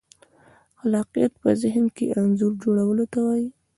خلاقیت په ذهن کې انځور جوړولو ته وایي.